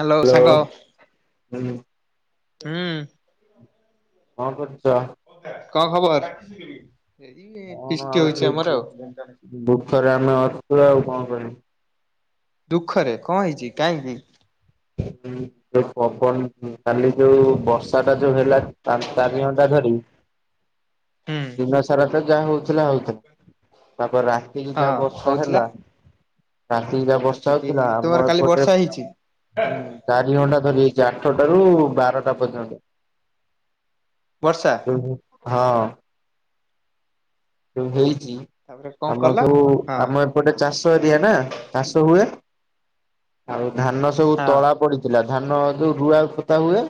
Hello ସାଙ୍ଗ। ହୁଁ ହୁଁ। କଣ କରୁଛ? କଣ ଖବର? ଏ ଫିଷ୍ଟି ହଉଛି ଆମର ଆଉ। ବୃଥରେ ଆମେ ଅଛୁ ଆଉ କଣ କହିବୁ। ଦୁଃଖରେ କଣ ହେଇଛି କାହିଁକି? [unintelligible] ହଁ ଯୋଉ ପବନ କାଲି ଯୋଉ ବର୍ଷା ଟା ଯୋଉ ହେଲା? ଘଣ୍ଟା [unintelligible] ଧଡି ହୁଁ ଦିନ ସାରା ତ ଯାହା ହଉଥିଲା ହଉଥିଲା ତାପରେ ରାତିକି ହଁ ଯାହା ବର୍ଷା ହଉଥିଲା। ହେଲା। ରାତି କି ଯା ବର୍ଷା ରାତିକି ହଉଥିଲା ତୁମର ଆମ କାଲି ବର୍ଷା ଏପଟେ ହେଇଛି ହୁଁ ଚାରି ଘଣ୍ଟା ଧରି ହେଇଛି ଆଠଟାରୁ ବାରଟା ପର୍ଯ୍ୟନ୍ତ। ବର୍ଷା। [unintelligible] ହଁ। ଯୋଉ ହେଇଛି ତାପରେ କଣ ଆମ କଲ? ସବୁ ହଁ ଆମ ଏ ପଟେ ଚାଷ ଏରିଆ ନା ଚାଷ ହୁଏ ଆଉ ଧାନ ସବୁ ହଁ ତଳା ପଡିଥିଲା ଧାନ ଯୋଉ ରୁଆ ପୋତା ହୁଏ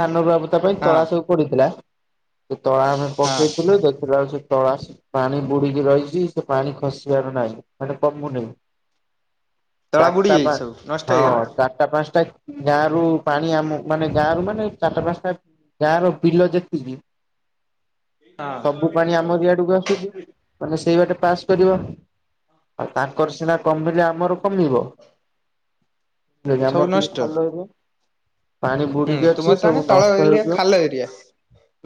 ଧାନ ରୁଆ ପୋତା ପାଇଁ ହଁ ତଳା ସବୁ ପଡିଥିଲା। ସେ ତଳା ଆମେ ହଁ ପକେଇଥିଲୁ ଦେଖଲା ବେଳକୁ ସେ ତଳା ପାଣି ବୁଡିକି ରହିଛି ସେ ପାଣି ଖସିବାର ନାହିଁ ମାନେ କମୁନି। ତଳା ବୁଡି ଚାରିଟା ପା ଯାଇଛି ସବୁ ନଷ୍ଟ ହଁ ହେଇଗଲା। ଚା ଚାରିଟା ପାଞ୍ଚଟା ଗାଁ ରୁ ପାଣି ଆମ ମାନେ ଗାଁ ରୁ ମାନେ ଚାରିଟା ପାଞ୍ଚଟା ଗାଁ ର ବିଲ ଯେତିକି ହଁ ସବୁ ପାଣି ଆମରି ଆଡକୁ ଆସୁ ମାନେ ସେଇ ବାଟେ ପାସ୍ କରିବ ଆଉ ତାଙ୍କର ସିନା କମିଲେ ଆମର କମିବ। ସବୁ ମର ଟ ନଷ୍ଟ ଭଲହିବ [unintelligible] ପାଣି ହୁଁ ବୁଡିକି ତୁମର ଅଛି ତାହେଲେ ସବୁ ତଳ ନଷ୍ଟ ଏରିଆ ହେଇଯିବ। ଖାଲ ଏରିଆ।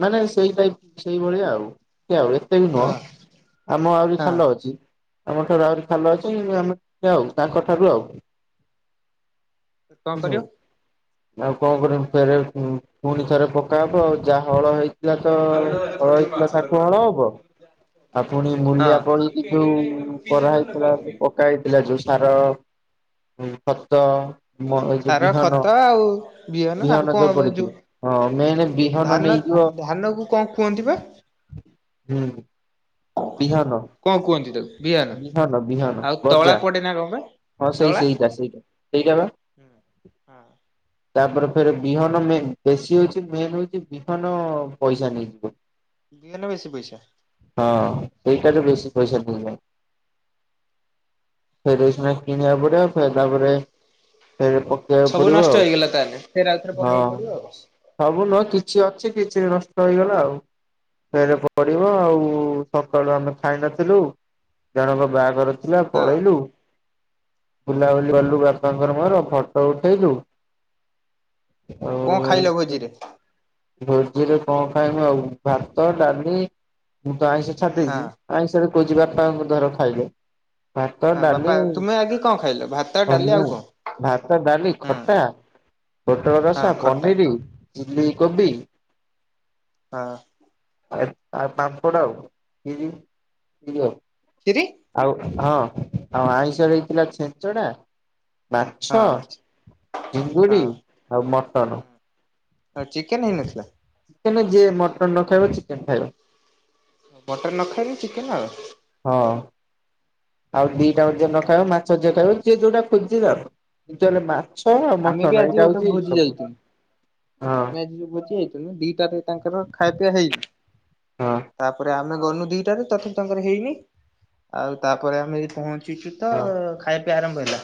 ନାଇ ନାଇଁ ସେଇଟାଇପ ସେଇଭଳିଆ ଆଉ ସେ ଆଉ ଏତେ ବି ନୁହଁ। ହଁ ଆମ ଆହୁରି ହଁ ଖାଲ ଅଛି। ଆମ ଠାରୁ ଆହୁରି ଖାଲ ଅଛି କି ଆମେ ଆଉ ତାଙ୍କ ଠାରୁ ଆଉ। କଣ ବୁଝିଲୁ। କରିବ? ଆଉ କଣ କରିବୁ ଫରେ ପୁଣି ଫୁଣି ଥରେ ପକା ହବ ଆଉ ଯାହା ହଳ ହେଇ ଥିଲା ତ ହଳ ହେଇଥିଲା ତାଠୁ ହଳ ହବ। ଆ ପୁଣି ମୂଲିଆ ପଡିକି ଯୋଉ କରାହେଇଥିଲା ହଁ। [unintelligible] ପକା ହେଇଥିଲା ଯୋଉ ସାର, ଖତ ମୋ ଏଇ ଯୋଉ ସାର ବିହନ ଖତ ଆଉ ଆଉ ବିହନ କଣ ଯୋଉ ପଡିଥିଲା ହଁ ମେନ୍ ବିହନ ନେଇଯିବ ଧାନକୁ କଣ କୁହନ୍ତି ବା? ହୁଁ। ବିହାନ କଣ କୁହନ୍ତି ତାକୁ ବିହନ ବିହାନ ବିହାନ ଆଉ ତଳା ଗଜା। ପଡେ ନା କଣ ବା ହଁ ସେଇ ତଳା ସେଇଟା ହଁ ସେଇଟା ସେଇଟା ବା। ତାପରେ ଫେର ବିହନ ମେନେ ବେଶୀ ହଉଛି ମେନେ ହଉଛି ବିହନ ପଇସା ନେଇଯିବ। ହ ବିହନ ବେଶୀ ପଇସା। ହଁ ସେଇଟା ରେ ବେଶୀ ପଇସା [unintelligible] ଦଯ ଫେରେ ଏଇଶୁଣା କିଣିବାକୁ ପଡିବ ଫେରେ ତା ପରେ ଫେରେ ପ କୁ ସବୁ ପଡିବ ନଷ୍ଟ ଆଉ ହେଇଗଲା ତାହେଲେ ଫେର ଆଉଥରେ ହଁ। ପକେଇବାକୁ ପଡିବ ଆଉ। ସବୁ ନୁହଁ କିଛି ଅଛି କିଛି ନଷ୍ଟ ହେଇଗଲା ଆଉ ଫେରେ ପଡ଼ିବ ଆଉ। ସକାଳୁ ଆମେ ଖାଇ ନଥିଲୁ ଜଣଙ୍କ ବାହାଘର ଥିଲା ପଳେଇଲୁ। ବୁଲାବୁଲି କଲୁ ବାପାଙ୍କର ମୋର ଫଟୋ ଉଠେଇଲୁ। ହଁ ଆଉ କଣ ଖାଇଲ ଏମିତି ଭୋଜିରେ ସବୁ। ଭୋଜିରେ କଣ ଖାଇମୁ ଆଉ ଭାତ ଡାଲି ମୁଁ ତ ଆଇଁଷ ହଁ ଛାଡିଦେଇଛି। ଆଇଁଷ ରେ କିହୁଚି ବାପା ଅମୂତଧର ଖାଇଲେ। ଭାତ, ହଁ ବାପା ଡାଲି, ତୁମେ ଆଗେ କଣ ଖାଇଲ ଭାତ ଡାଲି ହମୁ ଆଉ କଣ? ଭାତ ଡାଲି ହୁଁ ଖଟା। ପୋଟଳ ହଁ ରସା, ଖଟା ପନିର, ଚିଲ୍ କୋବି। ହଁ ଆ [unintelligible] [unintelligible] ଆଉ ହଁ। ଆଉ ଆଇଁଷରେ ହେଇଥିଲା ଛେଞ୍ଚଡା। ହଁ ମାଛ, ହଁ। ଚିଙ୍ଗୁଡ଼ି, ଆଉ ମଟନ। ଆଉ ଚିକେନ ହେଇନଥିଲା? ଚିକେନ ଯିଏ ମଟନ୍ ନ ଖାଇବ ଚିକେନ ଖାଇବ। ମଟର ନ ଖାଇଲେ ଚିକେନ ଆଉ। ହଁ ଆଉ ଦିଟା ଜାକ ଯିଏ ନ ଖାଇବ, ମାଛ ଜିଏ ଖାଇବ ଯିଏ ଜଉଟା ଖୋଜିଲା ଆଉ। [inaudible] ଛ ଆଉ ଆମେ ବି ମଟନ ଆଜି ଏଇଟା ଗୋଟେ ହଉଛି ଭୋଜି ସବୁ ଯାଇଥିଲୁ। ହଁ ଆମେ ଆଜି ଯୋଉ [unintelligible] ଯାଇଥିଲୁ। ଦିଟାରେ ତାଙ୍କର ଖାଇବା ପିଇବା ହେଇନି। ହଁ ତାପରେ ଆମେ ଗଲୁ ଦିଟାରେ ତଥାପି ତାଙ୍କର ହେଇନି। ଆଉ ତାପରେ ଆମେ ଯାଇ ପହଞ୍ଚି [unintelligible] ତ ହଁ। ଖାଇବା ପିଇବା ଆରମ୍ଭ ହେଲା।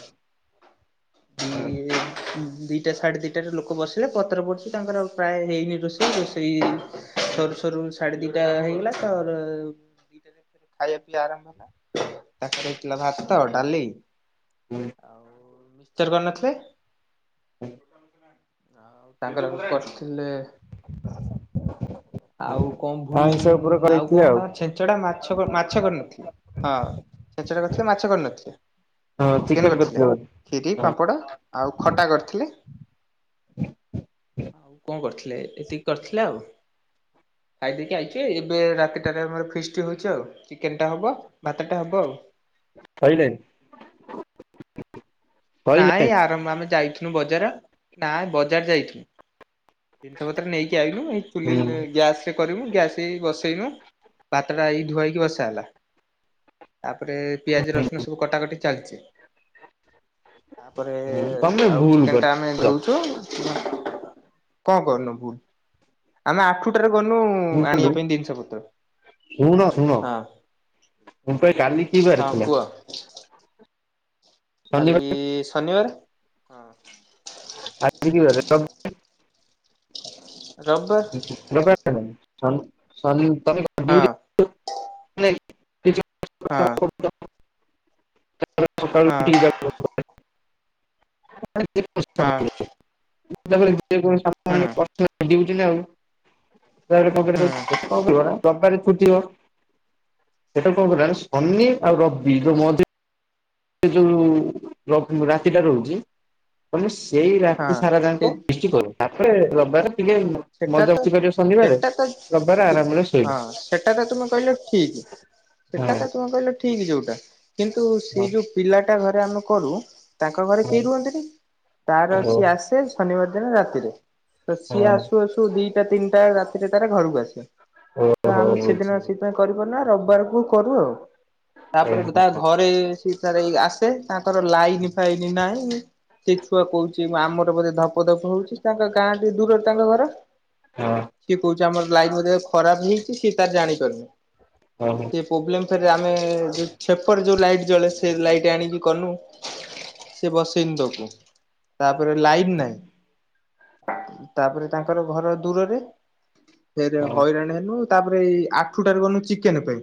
ହଁ ଦିଟା ସାଢେ ଦିଟାରେ ଲୋକ ବସିଲେ ପତ୍ର ପ ରଛି ତାଙ୍କର ପ୍ରାୟ ହେଇନି ରୋଷେଇ। ରୋଷେଇ ସରୁ ସରୁ ସାଢ଼େ ଦୁଇଟା ହେଇଗଲା ତ ହ ଦିଟାରେ ଖାଇବା ପିଇବା ଆରମ୍ଭ ହେଲା। ତାପରେ ହେଇଥିଲା ଭାତ, ଡାଲି। ଆଉ ମିସ୍ତର କରି ନଥିଲେ। ହୁଁ ଆଉ ତାଙ୍କର କରିଥିଲେ ହ ଆଉ କଣ ଭୁଲିଲି? ଆଉ କଣ ତାଙ୍କ ଛେଞ୍ଚଡ଼ା ମାଛ କରି, ମାଛ କରିନଥିଲେ। ହଁ, ଛେଞ୍ଚେଡ଼ା କରିଥିଲେ। ମାଛ କରିନଥିଲେ? ହଁ ଚିକେନ୍ ଚିକେନ କରିଥିଲେ। ବୋଧେ। ଖୀରି ହଁ ପାମ୍ପଡ଼ ଆଉ ଖଟା କରିଥିଲେ। ଆଉ କଣ କରିଥିଲେ? ଏତିକି କରିଥିଲେ ଆଉ। ଖାଇଦେଇକି ଆଇଛି। ଏବେ ରାତିଟାରେ ଆମର ଫିସ୍ଟି ହଉଛି ଆଉ। ଚିକେନ ଟା ହବ। ଭାତଟା ହବ ଆଉ। କହିଲାଇଁ? ନାଇଁ ଆରାମ୍ଭ ଆମେ ଯାଇ ଥିଲୁ ବଜାର। ନା ବଜାର ଯାଇଥିଲୁ। ଜିନିଷ ପତ୍ର ନେଇକି ଆଇନୁ। ହୁଁ [unintelligible] ଗ୍ୟାସରେ କରବୁ। ଗ୍ୟାସ ଏଇ ବସେଇବା। ଭାତଟା ଏଇ ଧୁଆ ହେଇକି ବସା ହେଲା ହେଲା। ତାପରେ ପିଆଜ, ରସୁଣ ସବୁ କଟାକଟି ଚାଲିଛି। ତାପରେ ତମେ ଆଉ ଭୁଲ ଚିକେନ ଟା ଆମେ କରିଚ। ଧୋଉଛୁ। କଣ କରୁନୁ ଭୁଲ? ଆମେ ଆଠୁଟାରେ ଗନୁ ମୁଁ କହିଲି ଆଣିବା ପାଇଁ ଜିନିଷ ପତ୍ର। ହଁ। ଲିପୁ ଭାଇ କାଲି କିି ବାର ହଁ ଥିଲା? କୁହ ଶନିବାର କାଲି ଶନିବାର। ହଁ। ଆଜି କି ବାରେ [unintelligible] ରବିବାର। ହଁ [unintelligible] ହଁ ହଁ [inaudible] ହଁ ହୁଁ [inaudible] ହୁଁ। [unintelligible] ସେଇଟା କଣ କହନ୍ତି ଶନି ହୁଁ ଆଉ ରବି ଯୋଉ ମଝି। ସେ ଯୋଉ ଲ ରାତିଟା ରହୁଚି। ଆମେ ସେଇ ରାତି ହଁ ସାରା ସେ ଯାଙ୍କ ପିଷ୍ଟି କରୁ ତାପରେ ରବିବାର ଟିକେ ସେଟା ମଜା ତ ମସ୍ତି କରିବ ଶନିବାରେ ସେଟା ତ ରବିବାରେ ଆରାମରେ ଶୋଇବ। ହଁ ସେଟା ତ ତୁମେ କହିଲ ଠିକ୍। ହଁ ସେଟା ତ ତୁମେ କହିଲ ଠିକ୍ ଯୋଉଟା କିନ୍ତୁ ହଁ ସେଇ ଯୋଉ ପିଲାଟା ଘରେ ଆମେ କରୁ। ତାଙ୍କ ଘରେ କେହି ରୁହନ୍ତିନେହିଁ ତାର ହଁ ଓ ସିଏ ଆସେ ଶନିବାର ଦିନ ରାତିରେ ତ ସିଏ ହଁ ଆସ୍ ଆସୁ ଆସୁ ଦିଟା ତିନଟା ରାତିରେ ତା ଘରକୁ ଆସେ। ତ ଓହୋ ଆମେ ସେଦିନ ବୁଝିଲି। ସେଇଥିପାଇଁ କରିପାରୁ ନା ରବିବାରକୁ କରୁ ଆଉ। ତାପରେ ତା ଘରେ ସେ ତାର ଆସେ ତାଙ୍କର ଲାଇନ୍ ଫାଇନ୍ ନାହଁ। ସେ ଛୁଆ କହୁଚି ଆମର ବୋଧେ ଧପ ଧପ ହୋଉଚି ତାଙ୍କ ଗାଁଟୁ ଦୂରରେ ତାଙ୍କ ଘର। ହଁ। ସିଏ କହୁଚି ଆମର ଲାଇନ୍ ବୋଧେ ଖରାପ ହେଇଚି ସିଏ ତାର ଜାଣିପାରୁନେହିଁ। ହଉ। ପ୍ରୋବ୍ଲେମ୍ ଫେରେ ଆମେ ସେପଟେ ଯେଉ ଲାଇଟ୍ ଜଳେ ସେ ଲାଇଟ୍ ଆଣିକି କନୁ। ସେ ବସେଇନି ଦବ ତାପରେ ଲାଇନ୍ ନାହିଁ ତାପରେ ତାଙ୍କର ଘର ଦୂରରେ ଫେରେ ହଇରାଣ ହେନୁ। ତାପରେ ଏଇ ଆଠୁଟାରେ ଗନୁ ଚିକେନେ ପାଇଁ।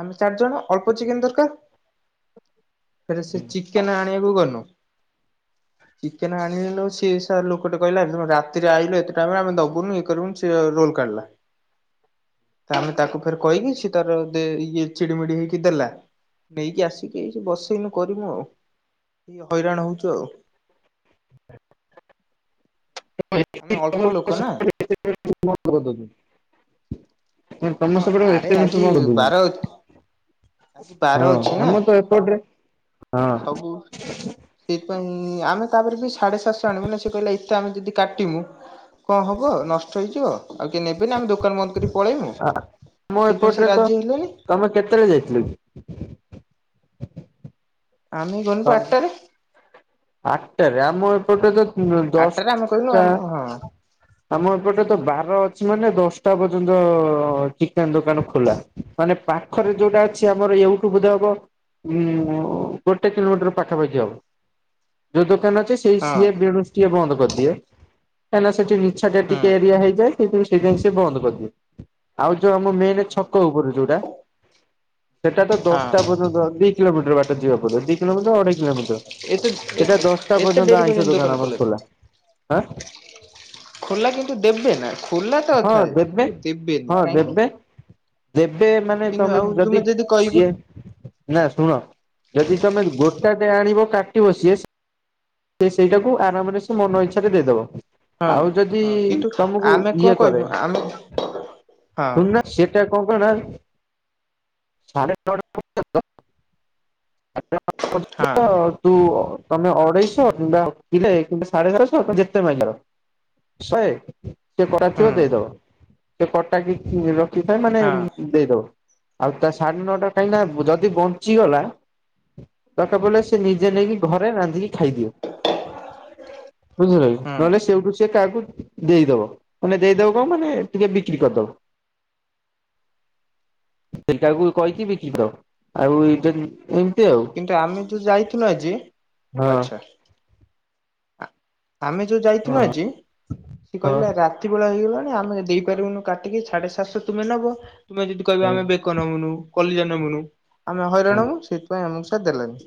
ଆମେ ଚାରି ଜଣ ଅଳ୍ପ ଚିକେନେ ଦରକାରେ ଫେରେ ସେ ଚି ଚିକେନେ ଆଣିବାକୁ ଗନୁ ଚିକେନେ ଆଣିନୁ ସେ ସା ଲୋକଟେ କହିଲା ରାତ୍ ରାତିରେ ଆଇଲ ଏତେଟା ବେଳେ ଆମେ ଦୋବୁନୁ ଇଏକରିବୁନୁ ସିଏ ରୋଲ କାଢିଲା। ଆମେ ତାକୁ ଫେରେ କହିକି ସିଏ ତାର ଦେ ଇଏ ଚିଡିମିଡି ହେଇକି ଦେଲା। ନେଇକି ଆସିକି ଏଇ ବସେଇନୁ କରିମୁ ଆଉ ହଇରାଣ ହୋଉଚୁ ଆଉ। [inaudible] [inaudible] ଆଉ ଆମେ ଅଳ୍ପ ଲୋକ ନା ତମ ହଁ ସେପଟେ ଆରେ ଏତେ ମିଶି ଆଜି ଜମା ବୁଝି ବାର ହୋଉନେହିଁ। ଆଜି ବାର ହଁ ଅଛି ନା ଆମର ତ ଏପଟରେ ହଁ। ସେଥିପାଇଁ ଆମେ ତାପରେ ବି ସାଢେ ସାତଶହ ଆଣିବୁ ନା ସେ କହିଲା ଏତେ ଆମେ ଯଦି କାଟିମୁ। କଣ ହବ ନଷ୍ଟ ହେଇଯିବ ଆଉ କିଏ ନେବେନେହିଁ ଆମେ ଦୋକାନ ବନ୍ଦ କରିକି ପଳେଇମୁ। ତ ଆମ ସେଇଥିପାଇଁ ସେ ଏପଟରେ ତ ରାଜି ହେଲେନି ତମେ କେତେବେଳେ ଯାଇଥିଲ କି? ଆମେ ଗନୁପା ଆଟାରେ। ଆଟାରେ ଆମ ଏପଟରେ ତ ଆଠଟାରେ ଆମେ କହିଲୁ ଦଶଟା। ଆମ ହଁ ଆମ ଏପଟରେ ତ ବାର ଅଛି ମାନେ ଦଶଟା ପର୍ଯ୍ୟନ୍ତ ଚିକେନେ ଦୋକାନ ଖୋଲା। ମାନେ ପାଖରେ ଯୋଉଟା ଅଛି ଆମର ଏଉଠୁ ବୋଧେ ହବ। ଉଁ ଓ ଗୋଟେ କିଲୋମିଟର ପାଖାପାଖି ହବ। ଯୋଉ ଦୋକାନ ଅଛି ସେଇ ହଁ ସିଏ ବେଣୁସୁ ଟିକିଏ ବନ୍ଦ କରିଦିଏ। କାଁହିଁନା ସେଠି ନିଛାଟିଆ ହୁଁ ଟିକେ ଏରିଆ ହେଇଯାଏ ସେଥିରୁ ସେଇଥିପିଇଁ ସିଏ ବନ୍ଦ କରିଦିଏ। ଆଉ ଯୋଉ ଆମ ମେନ୍ ଛକ ଉପରୁ ଯୋଉଟା। ସେଟା ତ ହଁ ଦଶଟା ପର୍ନ୍ତ ଦି କିଲୋମିଟର ବାଟ ଯିବାକୁ ପଡିବ ଦି କିଲୋମିଟର ଅଢେଇ କିଲୋମିଟର। ଏତେ ସେଟା ଏତେ ଦଶଟା ଏତେ ଡେରି ଆଇଁଷ ପର୍ଯ୍ୟନ୍ତ ଦୋକାନ ଆମର ଖୋଲା ଆଁ ଖୋଲାଥିବ। ଖୋଲା କିନ୍ତୁ ଦେବେ ନା ଖୋର୍ଲା ତ ହଁ ଥାଏ ଦେବେ। ଦେବେନି ହଁ କାହିଁକି? ଦେବେ ଦେବେ ମାନେ କିନ୍ତୁ ତମେ ଆଉ ଯଦି ତୁମେ କହିବ ସିଏ। ନା ଶୁଣ ଯେଦି ତମେ ଗୋଟା ଟେ ଆଣିବ କାଟିବ ସିଏ। ସିଏ ସେଇଟାକୁ ଆରାମରେ ସେ ମନ ଇଚ୍ଛାରେ ଦେଇଦବ। ହଁ ଆଉ ଯଦି ହଁ କିନ୍ତୁ ତମୁକୁ ଆମେ କଣ ଇଏ କହିବୁ କରେ ଆମେ ହଁ ଶୁଣୁନା। ସିଏଟା କଣ କ ନା। ସାଢ଼େ ନଅଟା ପର୍ଯ୍ୟନ୍ତ ସାଢେ ନଅଟା ହଁ ପର୍ଯ୍ୟନ୍ତ ତୁ ତମେ ଅଢେଇଶହ କିମ୍ବା [unintelligible] ଯେତେ ମାଗିପାର। ଶହେ। ସେ କଟା ଥିବ ହୁଁ ଦେଇଦବ, ସେ କଟା କିଛି ରଖିଥାଏ ମାନେ ହଁ ଦେଇଦବ। ଆଉ ତା ସାଢେ ନଅଟା କାହିଁକି ନା ଯଦି ବଞ୍ଚିଗଲା। ଦରକାର ପଡ଼ିଲେ ସେ ନିଜେ ନେଇକି ଘରେ ରାନ୍ଧିକି ଖାଇଦିଅ। ବୁଝିଲ କି ହୁଁ ନହେଲେ ସେଇଠୁ ସିଏ କାହାକୁ ଦେଇଦବ। ମାନେ ଦେଇଦବ କଣ ମାନେ ଟିକେ ବିକ୍ରି କରିଦବ। ସେଇଟାକୁ କହିକି ବିକିଦବ। ଆଉ ଯଦି କିନ୍ତୁ ଆମେ ଯୋଉ ଯାଇଥିଲୁ ଆଜି, ହଁ ଆଚ୍ଛା। ଆମେ ଯୋଉ ଯାଇଥିଥିଲୁ ହଁ ଆଜି ସିଏ ହଁ। କହିଲା ରା ରାତିବେଳା ହେଇଗଲାଣି ଆମେ ଦେଇପାରିବୁନୁ କାଟିକି ସାଢେ ସାତଶହ ତୁମେ ନବ। ତୁମେ ଯଦି କହିବ ହୁଁ ଆମେ ବେକ ନେମୁନୁ କଲିଜା ନେମୁନୁ ଆମେ ହୁଁ ହଇରାଣୁ ସେଥିପାଇଁ ଆମକୁ ସେ ଦେଲାନି।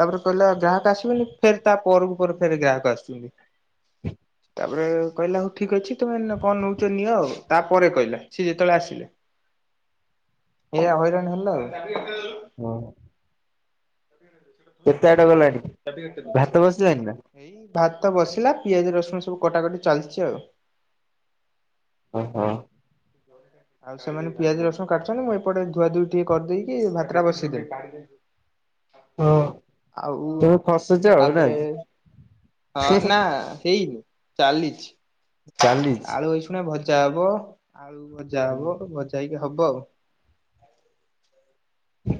ତାପରେ କହିଲା ଗ୍ରାହକ ଆସିବେନି ଫେର୍ ତା ପରକୁ ପରେ ଫେର୍ ଗ୍ରାହକ ଆସୁଛନ୍ତି। ତାପରେ କହିଲା ହଉ ଠିକ୍ ଅଛି ତମେ ନେ କଣ ନଉଛ ନିଅ ଆଉ ତାପରେ କହିଲା ସିଏ ଯେତେବେଳେ ଆସିଲେ। ଏଇଆ ହଇରାଣ ହେଲା ଆଉ। ହଁ। କେତେ ଆଡେ ଗଲାଣିି। ଏଇ ଭାତ ବସିଲା, ପିଆଜ ରସୁଣ ସବୁ କଟାକଟି ଚାଲିଛି ଆଉ। ଓହୋ। ହ ଆଉ ସେମାନେ ପିଆଜ ରଶୁଣ କାଟୁଛନ୍ତି। ମୁଁ ଏପଟେ ଧୁଆଧୁଇ ଟିକିଏ କରିଦେଇକି ଭାତଟା ବସେଇଦେବି। ଆଉ ତମେ ଫସୁଛ ଆଉ ନା ଆପରେ ହଁ, କି ନା ହେଇନି। ଚାଲିଛି, ଚାଲିଛି। ଆଳୁ ଏଇଖୁଣା ଭଜା ହବ, ଆଳୁ ଭଜା ହବ। ଭଜା ହେଇକି ହବ ଆଉ।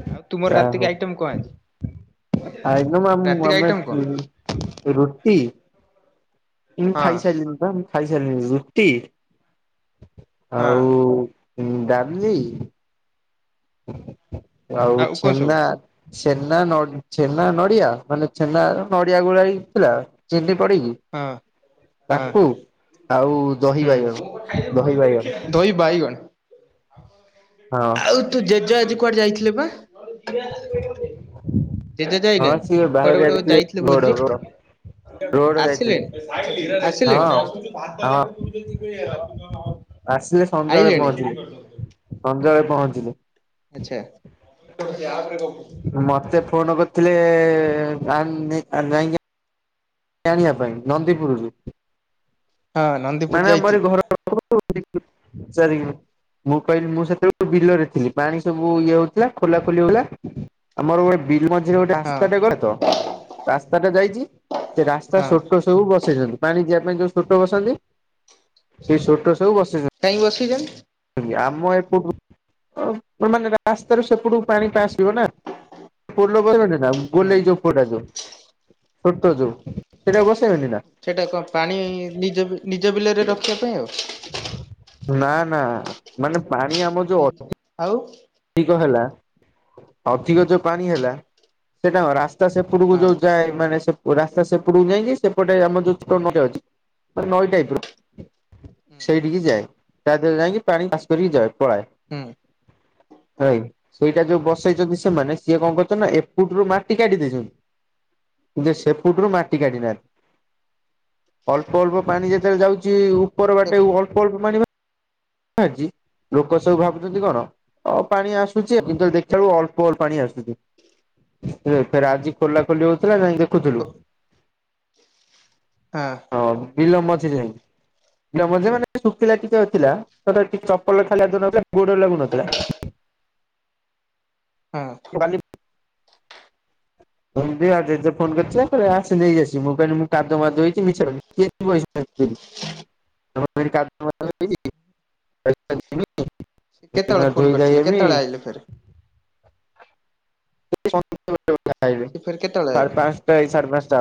ଆଉ ତୁମର ଯ଼ାଆ ରାତିକି ହୋଉ। ଆଇଟମ କଣ ଆଜି ରାତିକି ଆଇଟମ କଣ [unintelligible] ରୁଟି। ମୁଁ ହଁ ଖାଇସାରିଲିଣି ପା ମୁଁ ଖାଇସାରିଲିଣି। ରୁଟି ହଁ। ଆଉ ଡ଼ାଲି। ଆଉ କଣ ସବୁ ଛେନା। ଛେନା ନ ଛେନା ନଡିଆ ମାନେ ଛେନାରେ ନଡିଆ ଗୋଳା ହେଇକିଥିଲା। ଚିିନି ପଡିିକି। ହଁ। ହଁ ତାକୁ ଆଉ ଦହି ବାଇଗଣ, ଦହି ବାଇଗଣ। ହୁଁ ଦହି ବାଇଗଣ। ହଁ। ତୋ ଜେଜ ଆଜି କୁଆଡେ ଯାଇଥିଲେ ପା। ଜେଜେ ହଁ ଯାଇନାହାନ୍ତି। ସିଏ ବାହାଘରିଆ କୁଆଡ଼େ ଗୋଟେ ବା ଯାଇଥିଲେ ରୋଡ ଭୋଜି। ରୋଡ ରୋଡ ଆସିଲେ, ଯାଇଥିଲେ ଆସିଲେ? ହଁ ହଁ ଆସିଲେ ସନ୍ଧ୍ୟାବେଳେ ପହଞ୍ଚିଲେ, ସନ୍ଧ୍ୟାବେଳେ ପହଞ୍ଚିଲେ। ଆଚ୍ଛା। ମତେ ଫୋନ କରିଥିଲେ ଆ ନେଇ ଆ ନେଇ ଯା ଆଣିବା ପାଇଁ ନନ୍ଦିପୁରୁରୁ ଫ୍ୟାନ ମାନେ ଆମରି ଏଇ ଘର ପାଖରୁ ଚାରି କିଲୋ ମୁଁ କହିଲି ମୁଁ ସେତେବେଳୁ ବିଲରେ ଥିଲି ପାଣି ସବୁ ଇଏ ହଉଥିଲା ଖୋଲା ଖୋଲି ହଉଥିଲା ଆମର ଗୋଟେ ବିଲ୍ ମଝିରେ ଗୋଟେ ହଁ ଆସ୍ତାଟେ କରେ ତ ରାସ୍ତାଟା ଯାଇଚି ସେ ରାସ୍ତା ହଁ ଛୋଟ ସବୁ ବସେଇଛନ୍ତି ପାଣି ଯିବା ପାଇଁ ଯୋଉ ସୋଟ ବସନ୍ତି ସେଇ ସୋଟ ସବୁ ବସେଇଛ କାଇଁକି ବସେଇଛନ୍ତି ଆମ ଏପଟୁ ଅ ମାନେ ରାସ୍ତାରୁ ସେପଟୁ ପାଣିଟା ଆସିବ ନା ପୋଲ କହିବେନି ନା ହୁଁ। ଗୋଲେଇ ଯୋଉ ଉପରଟା ଯୋଉ ଛୋଟ ଯୋଉ ସେଟା ବସେଇବେନି ନା ସେଟା କଣ ପାଣି ନିଜ ବିଲ ନିଜ ବିଲରେ ରଖିବା ପାଇଁ ଆଉ ନାଁ ନାଁ ମାନେ ପାଣି ଆମ ଯଉ ଅ ଆଉ ଅଧିକ ହେଲା ଅଧିକ ଯୋଉ ପାଣି ହେଲା ସେଟା କଣ ରାସ୍ତା ସ୍ତା ସେପଟକୁ ଆଉ ଯୋଉ ଯାଏ ମାନେ ସେ ଓ ରାସ୍ତା ସେପଟୁକୁ ଯାଇକି ସେପଟେ ଆମର ଯୋଉ ଛୋଟ ନଈଟେ ଅଛି ନଈ ଟାଇପର ହଁ। ସେଇଠିକି ଯାଏ ତା ଦେହ ଯାଇକି ପାଣି ପାସ୍ କରିକି ଯାଏ ପଳାଏ ଉଁ ଭାଇ ସେଇଟା ଯୋଉ ବସେଇଛନ୍ତି ସେମାନେ ସିଏ କଣ କରିଛନ୍ତି ନା ଏପୁଟରୁୁ ମାଟି କାଢ଼ିଦେଇଛନ୍ତି ଯେ ସେପଟୁରୁ ମାଟି କାଢି ହୁଁ ନାହାନ୍ତି ଅଳ୍ପ ଅଳ୍ପ ପାଣି ଆଚ୍ଛା ଯେତେବେଳେ ଯାଉଚି ଉପର ବାଟେ ଉ ଅଳ୍ପ ଅଳ୍ପ ପାଣି ବାହାରିଚି ଲୋକ ସବୁ ହଁ ଭାବୁଛନ୍ତି କଣ ଅ ପାଣି ଆସୁଚି ଏମିତି ଦେଖିଲା ବେଳକୁ ଅଳ୍ପ ଅଳ୍ପ ପାଣି ଆସୁଛି ଏ ଫେରେ ଆଜି ଖୋଲା ଖୋଲି ହଉଥିଲା ଯାଇଁ ପୁଣି ଦେଖୁଥିଲୁ ଆଁ ହଁ ବିଲ ମଝିରେ ଯାଇଁକି ବିଲ ମଝିରେ ମାନେ ଶୁଖିଲା ଟିକେ ହଇଥିଲା କାଦୁଅ ଟି ଚପଲ ଖାଲି ଲାଗୁନଥିଲା ଗୋଡରେ ଲାଗୁନଥିଲା ହଁ ଅ [inaudible] ଜଲଦି ଆ ଜେଜେ ଫୋନ କରିଛି ତାପରେ ଆସେ ନେଇ ଆସିବୁ ମୁଁ କଇଲି ମୁଁ କାଦୁଅ ମାଦୁଅ ହେଇଛି ମିଛରେ କହିଲି କିଏ ଯିବ ଏଇ ତ [inaudible] ସେ କେତେବେଳେ ଫୋନ ଧୋଇ ଧାଇ କରିଥିଲେ ହେବି କେତେବେଳେ ଆଇଲେ ଫେରେ। [unintelligible] ସାଢ଼େ ସେ ପାଞ୍ଚଟା ଫେରେ କେତେବେଳେ ଆଇଲେ? ଏ ସାଢ଼େ ପାଞ୍ଚଟା